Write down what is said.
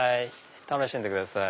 楽しんでください。